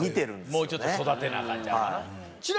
もうちょっと育てなあかんちゃうかな